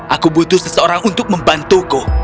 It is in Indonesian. aku butuh seseorang untuk membantuku